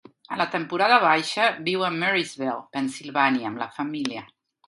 A la temporada baixa, viu a Murrysville, Pennsilvània, amb la família.